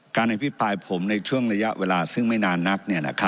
อภิปรายผมในช่วงระยะเวลาซึ่งไม่นานนัก